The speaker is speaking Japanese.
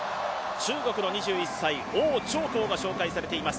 中国の２１歳、王長コウが紹介されています。